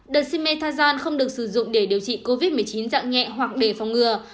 dexamethasone không được sử dụng để điều trị covid một mươi chín dặn nhẹ hoặc để phòng ngừa